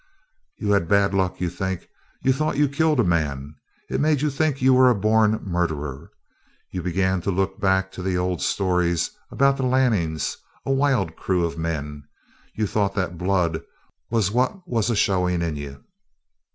"You had bad luck, you think. You thought you'd killed a man; it made you think you were a born murderer. You began to look back to the old stories about the Lannings a wild crew of men. You thought that blood was what was a showing in you.